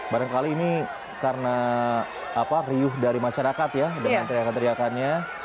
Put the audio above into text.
barangkali ini karena riuh dari masyarakat ya dengan teriakan teriakannya